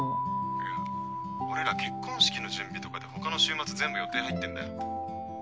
いや俺ら結婚式の準備とかで他の週末全部予定入ってんだよ。